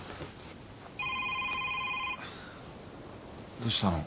どうしたの？